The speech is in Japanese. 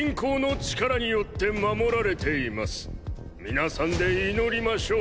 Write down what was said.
皆さんで祈りましょう。